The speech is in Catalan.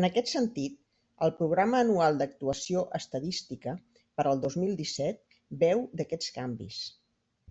En aquest sentit, el Programa anual d'actuació estadística per al dos mil disset beu d'aquests canvis.